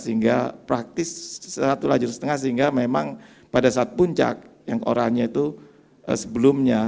sehingga praktis satu lajur setengah sehingga memang pada saat puncak yang orangnya itu sebelumnya